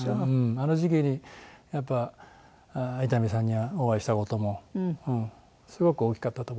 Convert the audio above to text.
あの時期にやっぱ伊丹さんにお会いした事もすごく大きかったと思います。